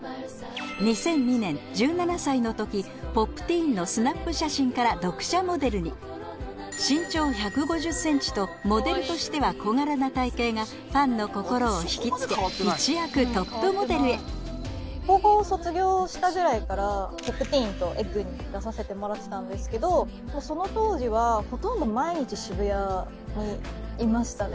２００２年１７歳の時「Ｐｏｐｔｅｅｎ」のスナップ写真から読者モデルにとモデルとしては小柄な体型がファンの心をひきつけ高校を卒業したぐらいから「Ｐｏｐｔｅｅｎ」と「ｅｇｇ」に出させてもらってたんですけどその当時はほとんど毎日渋谷にいましたね